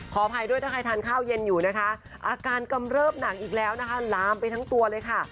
อภัยด้วยถ้าใครทานข้าวเย็นอยู่นะคะอาการกำเริบหนังอีกแล้วนะคะลามไปทั้งตัวเลยค่ะ